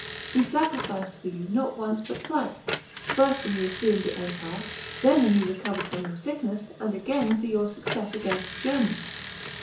We sacrificed for you, not once, but thrice ; first when you assumed the empire, then when you recovered from your sickness, and again for your success against the Germans."